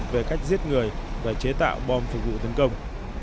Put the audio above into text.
về cách giết người và chế tạo bom phục vụ tấn công